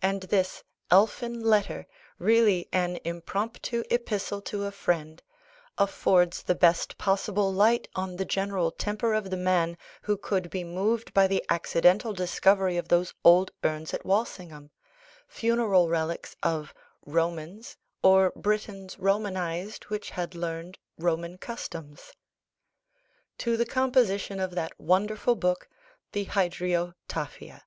And this elfin letter, really an impromptu epistle to a friend, affords the best possible light on the general temper of the man who could be moved by the accidental discovery of those old urns at Walsingham funeral relics of "Romans, or Britons Romanised which had learned Roman customs" to the composition of that wonderful book the Hydriotaphia.